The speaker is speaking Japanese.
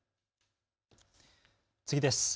次です。